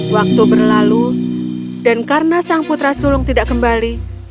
waktu berlalu dan karena sang putra sulung tidak kembali